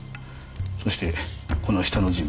そしてこの下の人物。